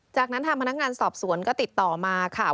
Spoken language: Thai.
จากนั้นทางพนักงานสอบสวนก็ติดต่อมาค่ะ